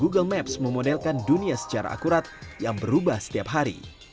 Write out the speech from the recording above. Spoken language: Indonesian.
google maps memodelkan dunia secara akurat yang berubah setiap hari